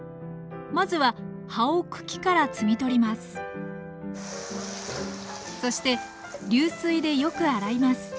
まずは葉を茎から摘み取りますそして流水でよく洗います。